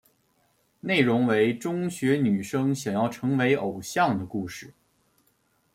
内容为中学女生想要成为偶像的故事。